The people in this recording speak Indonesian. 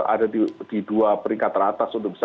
ada di dua peringkat teratas untuk bisa